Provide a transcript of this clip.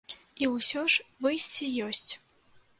І ўсё ж выйсце ёсць.